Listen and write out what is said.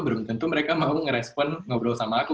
belum tentu mereka mau ngerespon ngobrol sama aku